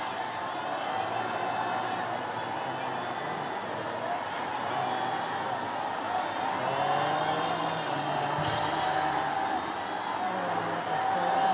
ดีปะ